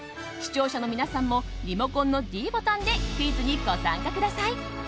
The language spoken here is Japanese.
視聴者の皆さんもリモコンのｄボタンでクイズにご参加ください。